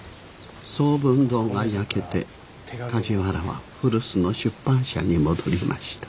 聡文堂が焼けて梶原は古巣の出版社に戻りました。